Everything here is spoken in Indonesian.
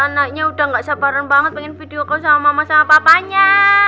anaknya udah gak sabaran banget pengen video call sama mama sama papanya